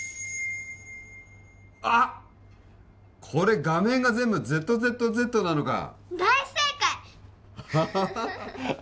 あっこれ画面が全部ＺＺＺなのか大正解！